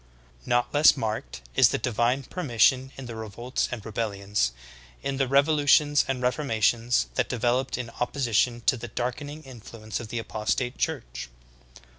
20. Not less marked is the divine permission in the re volts and rebellions, in the revolutions and reformations, that developed in opposition to the darkening influence of the apostate church.